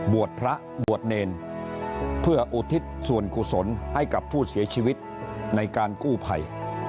พระบวชเนรเพื่ออุทิศส่วนกุศลให้กับผู้เสียชีวิตในการกู้ภัย